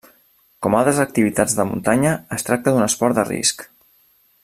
Com altres activitats de muntanya, es tracta d'un esport de risc.